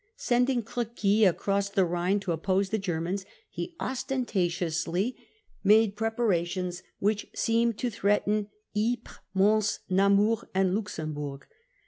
Sending Cr^quy across the Rhine to oppose the Germans, he ostentatiously made prepara tions which seemed to threaten Ypres, Mons, Namur, and Luxemburg.